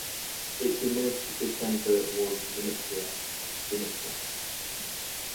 Its administrative centre was Vinnytsia ("Vinnitsa").